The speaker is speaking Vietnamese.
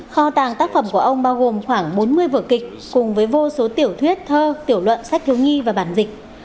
kho tàng tác phẩm của ông bao gồm khoảng bốn mươi vở kịch cùng với vô số tiểu thuyết thơ tiểu luận sách thiếu nghi và bản dịch